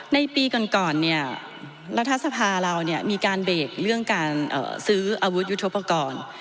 ในปีก่อนเนี่ยรัฐสภาเรามีการเบรกเรื่องการซื้ออาวุธยุทธปกรณ์